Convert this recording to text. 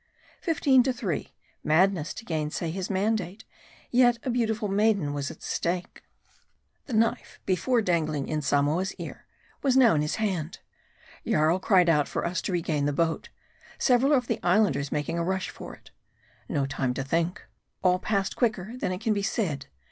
Fifteen to three. Madness to gainsay his mandate. Yet a beautiful maiden was at stake. The knife before dangling in Samoa's ear was now in his hand. Jarl cried out for us to regain the boat, several of the Islanders making a rush for it. No time to think. All passed quicker than it can be said.